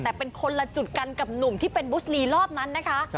แต่เป็นคนละจุดกันกับหนุ่มที่เป็นบุสลีรอบนั้นนะคะ